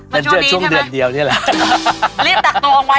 มันเกี่ยวช่วงนี่เรียบตักตัวออกไว้